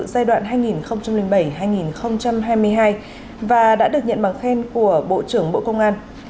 giai đoạn hai nghìn bảy hai nghìn hai mươi hai và đã được nhận bằng khen của bộ trưởng bộ công an